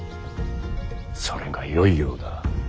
それがよいようだ。